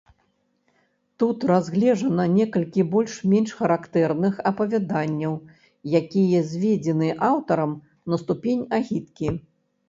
Тут разгледжана некалькі больш-менш характэрных апавяданняў, якія зведзены аўтарамі на ступень агіткі.